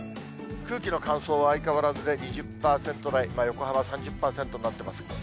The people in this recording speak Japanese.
空気の乾燥は相変わらずで２０％台、横浜３０％になってます。